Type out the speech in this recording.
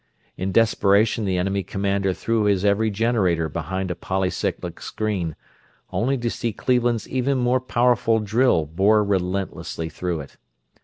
In desperation the enemy commander threw his every generator behind a polycyclic screen; only to see Cleveland's even more powerful drill bore relentlessly through it.